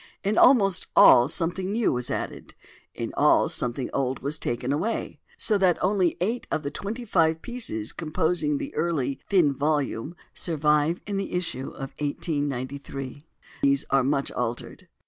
In almost all something new was added, in all something old was taken away; so that only eight of the twenty five pieces composing the early "thin volume" survive in the issue of 1893, and some of these are much altered.